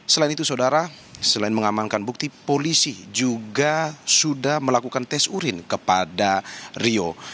selain itu saudara selain mengamankan bukti polisi juga sudah melakukan tes urin kepada rio